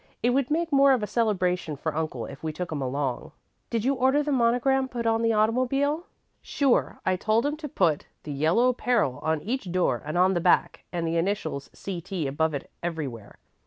"It would make more of a celebration for Uncle if we took 'em along." "Did you order the monogram put on the automobile?" "Sure. I told 'em to put 'The Yellow Peril' on each door and on the back, and the initials, 'C. T.' above it everywhere."